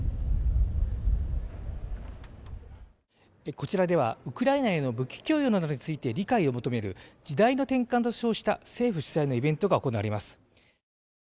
こちらではウクライナへの武器供与などについて理解を求める時代の転換と称した政府主催のイベントが行われます。